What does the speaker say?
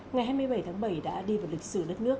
ngày hai mươi bảy tháng bảy đã đi vào lịch sử đất nước